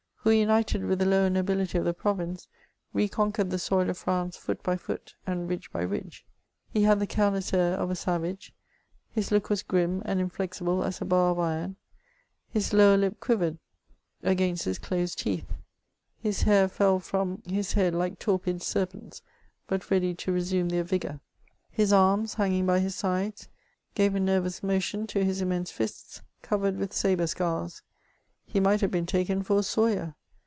who, united with the lower nobility of the province, re conquered the soil of France foot by foot, and ridge by ridge. He had the careless air of a savage ; his look was gmn and inflexible as a bar of iron ; his lower lip quivered against his closed teeth ; his hair fell from his head like torpid serpents, but ready to resume their vigour ; his arms, hanging by his sides, gave a nervous motion to his im mense fists covered with sabre scars ; he might have been taken for a sawyer.